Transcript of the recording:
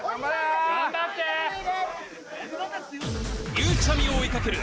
ゆうちゃみを追いかける